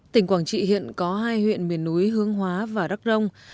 tỉnh quảng trị hiện có hai huyện miền núi hương hóa và đắc rông